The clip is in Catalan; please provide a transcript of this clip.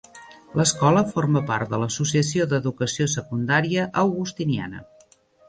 L'escola forma part de l'Associació d'Educació Secundària Augustiniana.